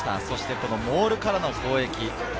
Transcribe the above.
そしてモールからの攻撃。